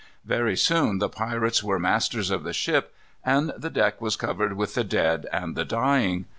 Very soon the pirates were masters of the ship, and the deck was covered with the dead and the dying.